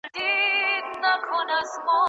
ښځه حق لري چې د خپل خاوند سره مرسته وکړي.